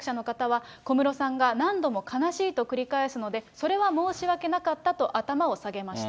これについて元婚約者の方は、小室さんが何度も悲しいと繰り返すので、それは申し訳なかったと頭を下げました。